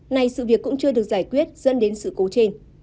này sự việc cũng chưa được giải quyết dẫn đến sự cố trên